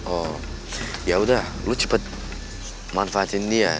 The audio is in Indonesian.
oh ya udah lo cepet manfaatin dia